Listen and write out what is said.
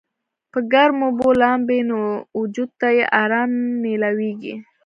پۀ ګرمو اوبو لامبي نو وجود ته ئې ارام مېلاويږي